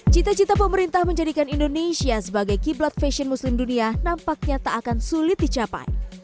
cita cita pemerintah menjadikan indonesia sebagai kiblat fashion muslim dunia nampaknya tak akan sulit dicapai